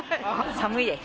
寒いです。